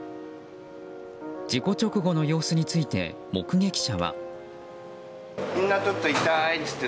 事故直後の様子について目撃者は。